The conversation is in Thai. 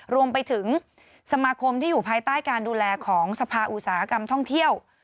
รวมไปถึงสมาคมที่อยู่ภายใต้การดูแลของสภาอุตสาหกรรมท่องเที่ยว